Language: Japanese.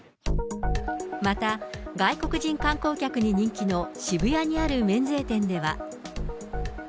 また、外国人観光客に人気の渋谷にある免税店では。